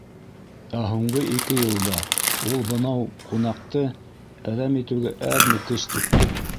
Ә һуңғы ике йылда ул бынау «ҡунаҡ»ты әҙәм итеүгә әҙме көс түкте.